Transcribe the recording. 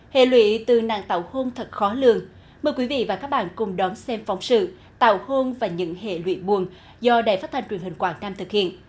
hệ lụy từ nạn tảo hôn thật khó lường mời quý vị và các bạn cùng đón xem phóng sự tạo hôn và những hệ lụy buồn do đài phát thanh truyền hình quảng nam thực hiện